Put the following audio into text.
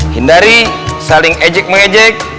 hindari saling ejek meng ejek